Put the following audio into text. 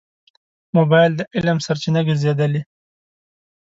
موبایل د علم سرچینه ګرځېدلې.